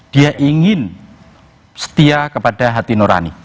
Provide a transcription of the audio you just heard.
dia ingin setia kepada hati nurani